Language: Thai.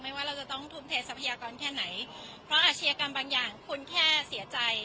ว่าเราจะต้องทุ่มเททรัพยากรแค่ไหนเพราะอาชญากรรมบางอย่างคุณแค่เสียใจ